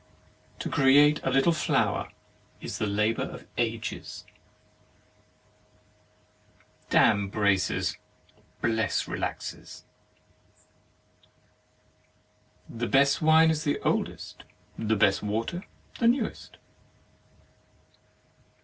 To create a little flower is the labour of ages. i8 HEAVEN AND HELL Damn braces; bless relaxes. The best wine is the oldest, the best water the newest.